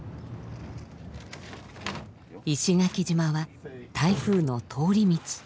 石垣島は台風の通り道。